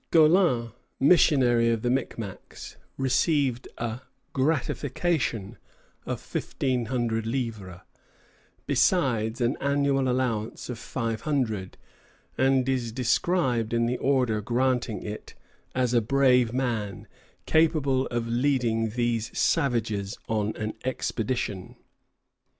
Gaulin, missionary of the Micmacs, received a "gratification" of fifteen hundred livres, besides an annual allowance of five hundred, and is described in the order granting it as a "brave man, capable even of leading these savages on an expedition."